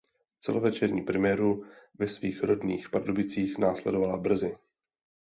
Celovečerní premiéru ve svých rodných Pardubicích následovala brzy.